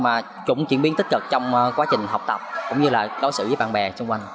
mà cũng chuyển biến tích cực trong quá trình học tập cũng như là đối xử với bạn bè xung quanh